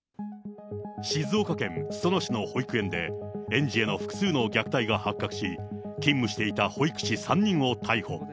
静岡県裾野市の保育園で、園児への複数の虐待が発覚し、勤務していた保育士３人を逮捕。